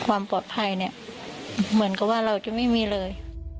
ความปลอดภัยเนี่ยเหมือนกับว่าเราจะไม่มีเลย